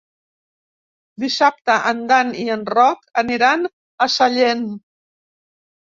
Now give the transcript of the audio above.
Dissabte en Dan i en Roc aniran a Sallent.